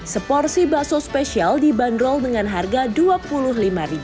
seporsi bakso spesial dibanderol dengan harga rp dua puluh lima